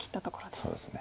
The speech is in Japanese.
そうですね。